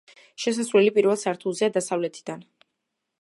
შესასვლელი პირველ სართულზეა, დასავლეთიდან.